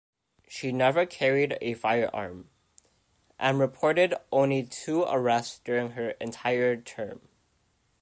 She never carried a firearm, and reported only two arrests during her entire term.